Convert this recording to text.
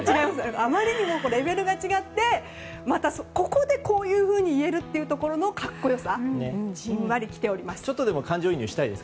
あまりにもレベルが違ってここでこういうふうに言える格好良さじんわりきています。